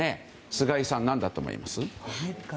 菅井さん、何だと思います？